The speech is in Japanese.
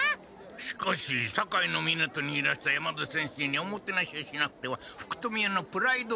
しかし堺の港にいらした山田先生におもてなしをしなくては福富屋のプライドが。